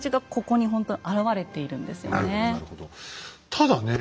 ただね